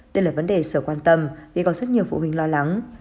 đây là vấn đề sở quan tâm vì còn rất nhiều phụ huynh lo lắng